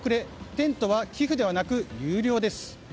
テントは寄付ではなく有料です。